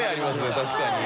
確かに。